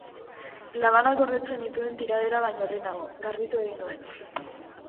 Labanak gordetzen nituen tiraderara baino lehenago, garbitu egin nuen.